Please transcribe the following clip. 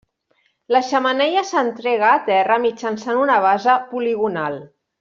La xemeneia s'entrega a terra mitjançant una base poligonal.